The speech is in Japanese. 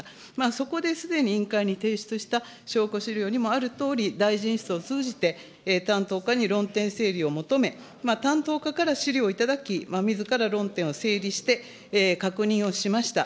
そこですでに委員会に提出した証拠資料にもあるとおり、大臣室を通じて担当課に論点整理を求め、担当課から資料を頂き、みずから論点を整理して、確認をしました。